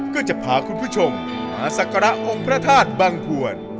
ก็จะพาคุณผู้ชมมาสักการะองค์พระธาตุบังพวน